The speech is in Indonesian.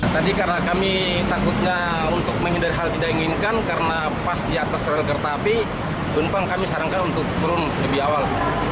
tadi karena kami takutnya untuk menghindari hal tidak inginkan karena pas di atas rel kereta api penumpang kami sarankan untuk turun lebih awal